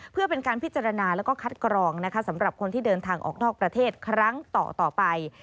เพื่อเป็นการพิจารณาแล้วก็คัดกรองนะคะสำหรับคนที่เดินทางออกนอกประเทศครั้งต่อไป